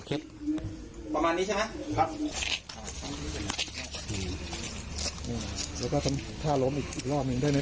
ครับแล้วก็นี่ไว้